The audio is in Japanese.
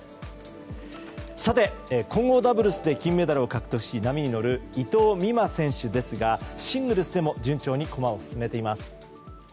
混合ダブルスで金メダルを獲得し波に乗る伊藤美誠選手ですがシングルスでも順調に駒を進めています。